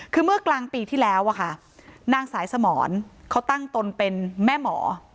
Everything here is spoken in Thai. คือเมื่อกลางปีที่แล้วอะค่ะนางสายสมรเขาตั้งตนเป็นแม่หมอ